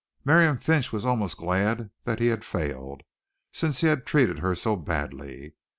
Miriam Finch was almost glad that he had failed, since he had treated her so badly.